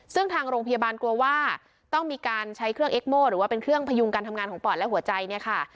ซึ่งทางโรงพยาบาลกลัวว่าต้องมีการใช้เครื่องเอ็กโม่หรือว่าเป็นเครื่องพยุงการทำงานของปอดและหัวใจเนี่ยค่ะ